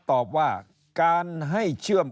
ตอบว่าการให้เชื่อม